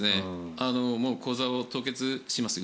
口座を凍結します